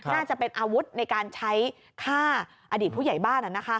น่าจะเป็นอาวุธในการใช้ฆ่าอดีตผู้ใหญ่บ้าน